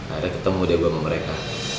ada ketemu dia gue sama mereka